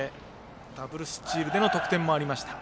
ダブルスチールでの得点もありました。